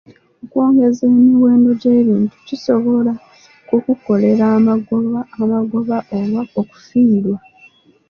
Okwongeza emiwendo gy'ebintu kisobola okukukolera amagoba oba okufiirwa.